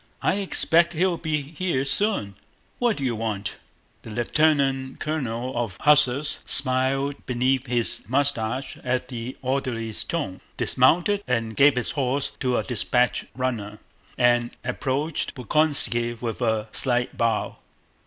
I expect he'll be here soon. What do you want?" The lieutenant colonel of hussars smiled beneath his mustache at the orderly's tone, dismounted, gave his horse to a dispatch runner, and approached Bolkónski with a slight bow.